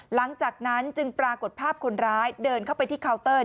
หลังจากนั้นจึงปรากฏภาพคนร้ายเดินเข้าไปที่เคาน์เตอร์